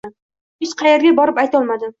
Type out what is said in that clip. Hech qayerga borib aytolmadim